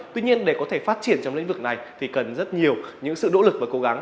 tuy nhiên để có thể phát triển trong lĩnh vực này thì cần rất nhiều những sự nỗ lực và cố gắng